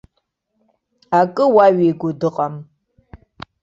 Акы уаҩиго дыҟам.